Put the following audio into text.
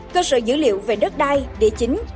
cơ sở dữ liệu về đất đai địa chính